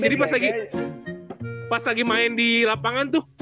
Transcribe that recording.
jadi pas lagi main di lapangan tuh